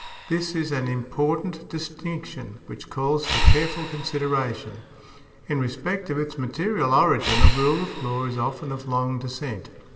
This is an important distinction which calls for careful con sideration. In respect of its material origin a rule of law is often of long descent.